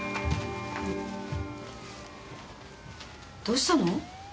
どうしたの？